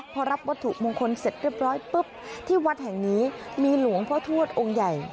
พอรับวัตถุมงคลเสร็จเรียบร้อยปุ๊บที่วัดแห่งนี้มีหลวงพ่อทวดองค์ใหญ่